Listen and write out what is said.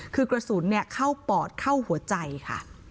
คือกระสุนเข้าปอดเข้าหัวใจค่ะ